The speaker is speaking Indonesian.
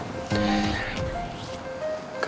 karena gue sadar